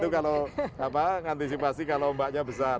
itu kalau apa nanti pasti kalau mbaknya besar